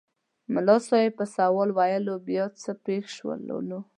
ملا صاحب په سوال وویل بیا څه پېښ شول نو؟